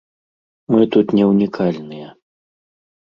Мы тут не ўнікальныя.